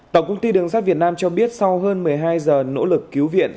tổng công ty đường sắt việt nam cho biết sau hơn một mươi hai giờ nỗ lực cứu viện